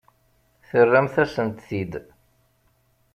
Terramt-asent-t-id.